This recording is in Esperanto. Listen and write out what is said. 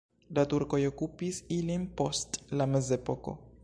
La turkoj okupis ilin post la mezepoko.